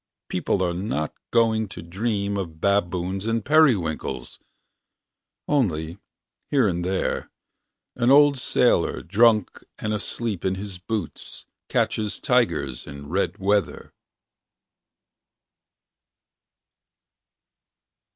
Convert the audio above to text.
People are not going To dream of baboons and periwinkles. Only, here and there, an old sailor, Drunk and asleep in his boots, Catches Tigers In red weather.